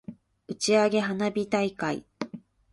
打ち上げ花火大会